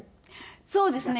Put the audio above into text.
そうですね。